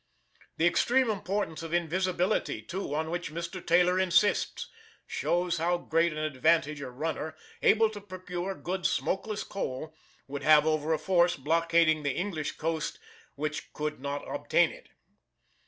The extreme importance of invisibility too, on which Mr. Taylor insists, shows how great an advantage a runner, able to procure good smokeless coal, would have over a force blockading the English coast which could not obtain it.